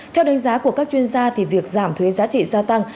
theo đánh giá của các chuyên gia việc giảm thuế giá trị gia tăng